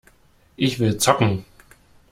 Ich will zocken!